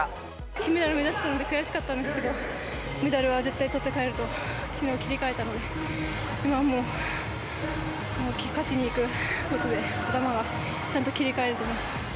金メダル目指してたので、悔しかったんですけど、メダルは絶対とって帰るときのう切り替えたので、今はもう、もう勝ちにいくことで頭がちゃんと切り替えられてます。